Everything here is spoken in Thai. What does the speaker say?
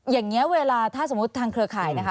อย่างนี้เวลาถ้าสมมุติทางเครือข่ายนะคะ